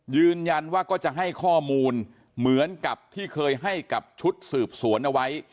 ยืนยันว่าก็จะให้ข้อมูลเหมือนกับที่เคยให้กับชุดสืบสวนเอาไว้